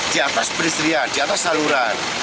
di atas peristrian di atas saluran